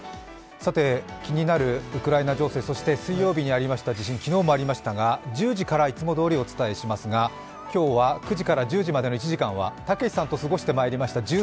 さて、気になるウクライナ情勢、そして水曜日にありました地震、昨日もありましたが、１０時からいつもどおりお伝えしますが今日は９時から１０時までの１時間は、たけしさんと過ごしてまいりました